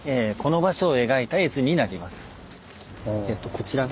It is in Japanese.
こちらが。